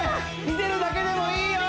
見てるだけでもいいよ